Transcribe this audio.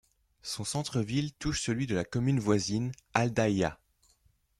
Son centre ville touche celui de la commune voisine, Aldaia.